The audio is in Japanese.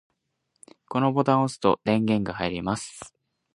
このボタンを押すと電源が入ります。